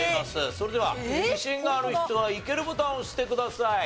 それでは自信がある人はイケるボタンを押してください。